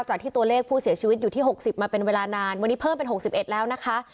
ที่ตัวเลขผู้เสียชีวิตอยู่ที่๖๐มาเป็นเวลานานวันนี้เพิ่มเป็น๖๑แล้วนะคะ